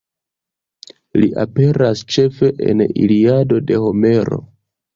Li aperas ĉefe en Iliado de Homero.